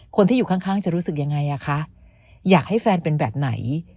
คนที่อยู่ข้างจะรู้สึกยังไงอ่ะคะอยากให้แฟนเป็นแบบไหน